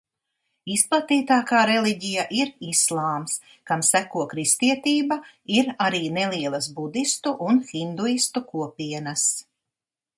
Izplatītākā reliģija ir islāms, kam seko kristietība, ir arī nelielas budistu un hinduistu kopienas.